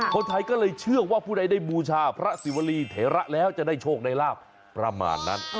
คนไทยก็เลยเชื่อว่าผู้ใดได้บูชาพระศิวรีเถระแล้วจะได้โชคได้ลาบประมาณนั้น